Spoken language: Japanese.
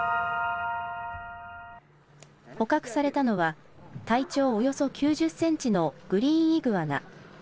捕獲されたのは、体長およそ９０センチのグリーンイグアナ。